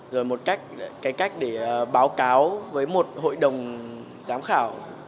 rồi một cách cái cách để báo cáo với một hội đồng giám khảo